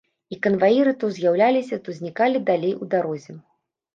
І канваіры то з'яўляліся, то знікалі далей у дарозе.